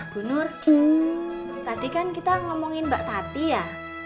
bu nur tadi kan kita ngomongin mbak tati ya